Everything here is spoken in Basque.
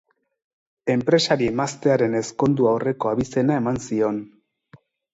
Enpresari emaztearen ezkondu aurreko abizena eman zion.